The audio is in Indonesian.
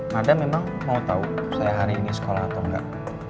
madam emang mau tau saya hari ini sekolah atau enggak